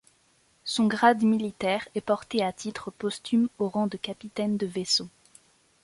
Son grade militaire est porté à titre posthume au rang de capitaine de vaisseau.